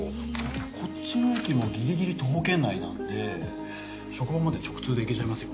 こっちの駅もギリギリ徒歩圏内なんで職場まで直通で行けちゃいますよ。